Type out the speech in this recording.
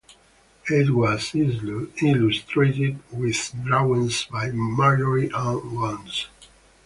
It was illustrated with drawings by Marjorie-Ann Watts.